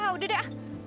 udah deh ah